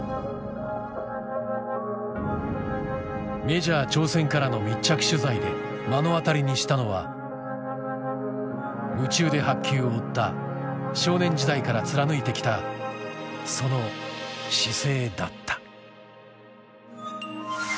メジャー挑戦からの密着取材で目の当たりにしたのは夢中で白球を追った少年時代から貫いてきたその姿勢だった。